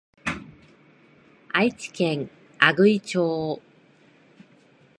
愛知県阿久比町